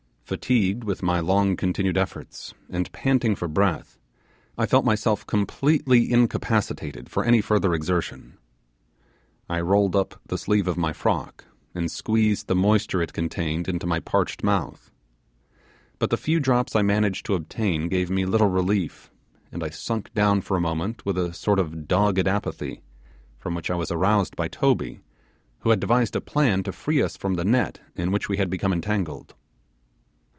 Fatigued with my long continued efforts, and panting for breath, I felt myself completely incapacitated for any further exertion. I rolled up the sleeve of my frock, and squeezed the moisture it contained into my parched mouth. But the few drops I managed to obtain gave me little relief, and I sank down for a moment with a sort of dogged apathy, from which I was aroused by Toby, who had devised a plan to free us from the net in which we had become entangled.